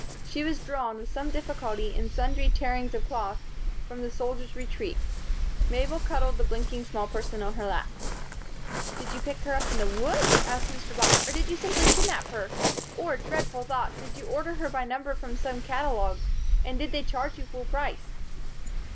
She was drawn, with some difficulty and sundry tearings of cloth, from the "Soldier's Retreat." Mabel cuddled the blinking small person in her lap. "Did you pick her up in the woods?" asked Mr. Black, "or did you simply kidnap her? Or, dreadful thought! Did you order her by number from some catalogue? And did they charge you full price?"